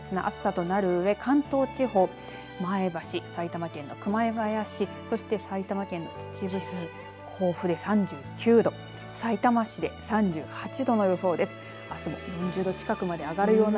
あすも猛烈な暑さとなるうえ関東地方前橋、埼玉県の熊谷市そして埼玉県の秩父市甲府で３９度さいたま市で３８度の予想です。